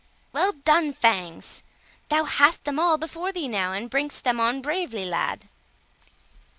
well done, Fangs! thou hast them all before thee now, and bring'st them on bravely, lad."